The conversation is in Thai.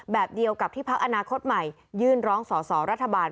แบบเดียวกับที่พักอนาคตใหม่ยื่นร้องสอสอรัฐบาล